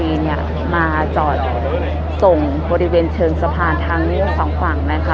เนี่ยมาจอดส่งบริเวณเชิงสะพานทั้งสองฝั่งนะคะ